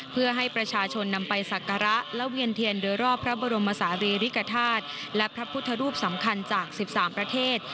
เพื่อให้ประชาชนนำไปสักการะและเวียนเทียนโดยรอบพระบรมศาลีริกฐาตุและพระพุทธรูปสำคัญจาก๑๓ประเทศ